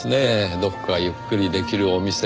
どこかゆっくりできるお店を。